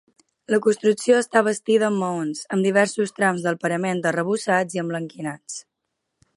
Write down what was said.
La construcció està bastida en maons, amb diversos trams del parament arrebossats i emblanquinats.